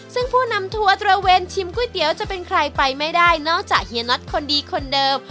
ซึ่งผู้นำทัวร์ตระเวนชิมก๋วยเตี๋ยวจะเป็นใครไปไม่ได้นอกจากเฮียน็อตคนดีคนเดิม